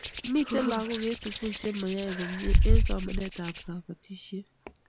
Mito lagok eng' sukul che mayae komie eng' somanet ab batishet